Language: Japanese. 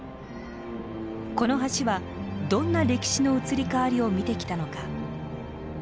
この橋はどんな歴史の移り変わりを見てきたのか。